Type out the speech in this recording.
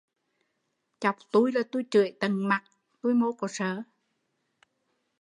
Chọc tui là tui chưởi tận mặt, tui mô có sợ